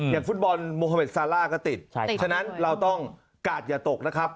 ฟุตบอลโมฮาเมดซาร่าก็ติดฉะนั้นเราต้องกาดอย่าตกนะครับ